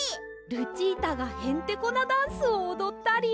ルチータがへんてこなダンスをおどったり！